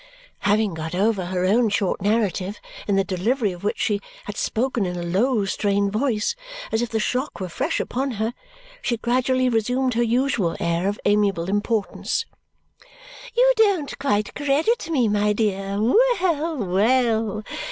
Having got over her own short narrative, in the delivery of which she had spoken in a low, strained voice, as if the shock were fresh upon her, she gradually resumed her usual air of amiable importance. "You don't quite credit me, my dear! Well, well!